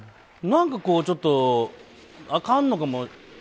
何か、ちょっとあかんのかも。